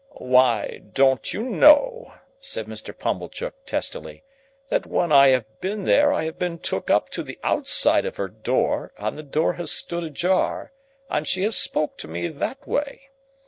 "Why, don't you know," said Mr. Pumblechook, testily, "that when I have been there, I have been took up to the outside of her door, and the door has stood ajar, and she has spoke to me that way.